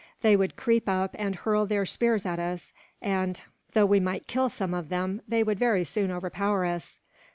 They would creep up and hurl their spears at us and, though we might kill some of them, they would very soon overpower us.